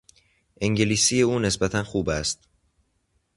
انگلیسی او نسبتا خوب است.